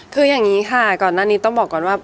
คืออย่างนี้ค่ะก่อนหน้านี้ต้องบอกก่อนว่า